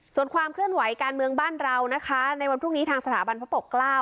ส่วนความเคลื่อนไหวการเมืองบ้านเรานะคะในวันพรุ่งนี้ทางสถาบันพระปกเกล้า